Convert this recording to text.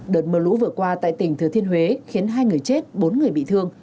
đợt mưa lũ vừa qua tại tỉnh thừa thiên huế khiến hai người chết bốn người bị thương